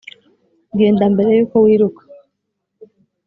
genda mbere yuko wiruka